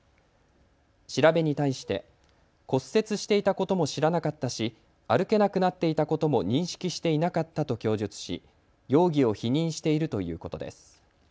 調べに対して骨折していたことも知らなかったし歩けなくなっていたことも認識していなかったと供述し容疑を否認しているということです。